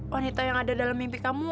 wanita yang ada dalam mimpi kamu